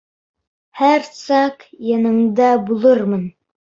Һәр саҡ яныңда булырмын.